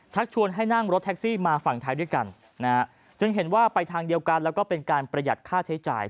ชวนให้นั่งรถแท็กซี่มาฝั่งไทยด้วยกันนะฮะจึงเห็นว่าไปทางเดียวกันแล้วก็เป็นการประหยัดค่าใช้จ่าย